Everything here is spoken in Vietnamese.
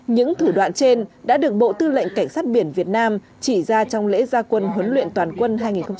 những thử đoạn trên đã được bộ tư lệnh cảnh sát biển việt nam chỉ ra trong lễ gia quân huấn luyện toàn quân hai nghìn một mươi chín